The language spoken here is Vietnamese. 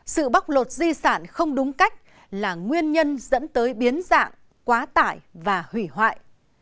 sự bóc lột di sản không đúng cách là nguyên nhân dẫn tới biến dạng quá tải và hủy hoại